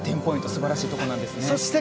素晴らしいところなんです。